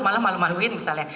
malah malu maluin misalnya